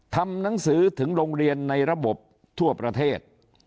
ทำหนังสือถึงโรงเรียนในระบบทั่วประเทศ